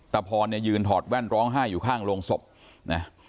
พรเนี่ยยืนถอดแว่นร้องไห้อยู่ข้างโรงศพนะ